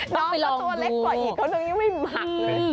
น้องก็ตัวเล็กกว่าอีกเค้านึงยังไม่มัก